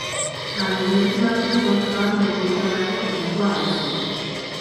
Baina alderdi bakoitzak badu gogoetarako nahikoa arrazoi.